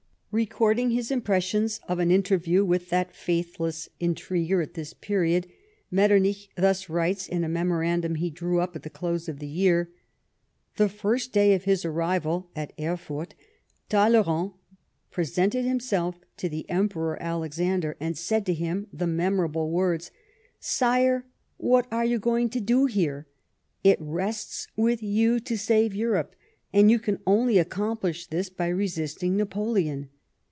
Recording his impressions of an interview with that faithless in triguer at this period, Metternich thus writes in a memo randum he drew up at the close of the year : "The first day of his arrival (at Erfurt) Talleyrand presented himself to the Emperor Alexander, and said to him the memorable ■words :' Sire, what are you going to do here ? It rests with you to save Europe, and you can only accomplish this by resisting Napoleon.